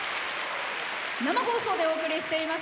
生放送でお送りしています